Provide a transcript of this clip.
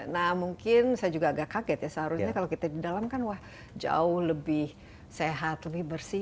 nah mungkin saya juga agak kaget ya seharusnya kalau kita di dalam kan wah jauh lebih sehat lebih bersih